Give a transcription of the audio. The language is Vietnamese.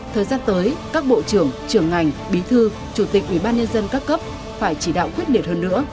thời gian tới các bộ trưởng trưởng ngành bí thư chủ tịch ubnd các cấp phải chỉ đạo quyết liệt hơn nữa